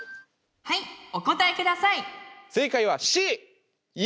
はいお答え下さい！